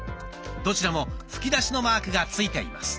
どちらも吹き出しのマークが付いています。